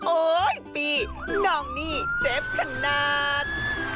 โอ๊ยปีน้องนี่เจ็บขนาด